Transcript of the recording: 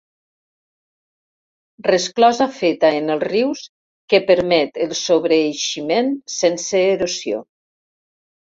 Resclosa feta en els rius que permet el sobreeiximent sense erosió.